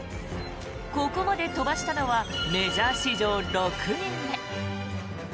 ここまで飛ばしたのはメジャー史上６人目。